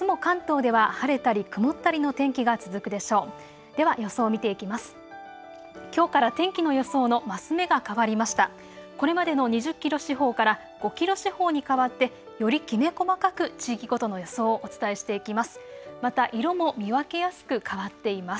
これまでの２０キロ四方から５キロ四方に変わってよりきめ細かく、地域ごとの予想をお伝えしていきます。